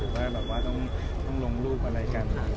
หรือว่าต้องลงรูปอะไรกัน